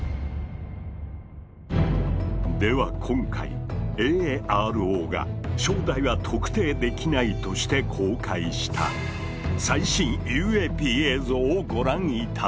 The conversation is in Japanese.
では今回ＡＡＲＯが「正体は特定できない」として公開した最新ＵＡＰ映像をご覧頂こう。